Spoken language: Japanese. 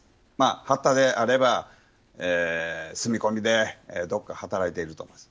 八田であれば住み込みでどこか働いていると思います。